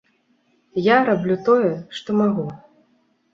Я раблю тое, што магу.